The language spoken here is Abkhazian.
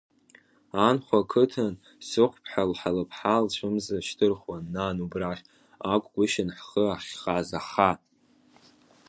Анхәа ақыҭан, сыхәԥҳа лыԥҳа лцәымза шьҭырхуан, нан, убрахь акәгәышьан ҳхы ахьхаз, аха…